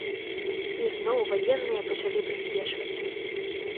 І зноў ваенныя пачалі прыспешваць.